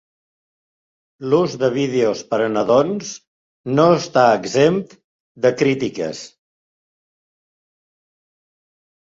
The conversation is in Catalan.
L'ús de vídeos per a nadons no està exempt de crítiques.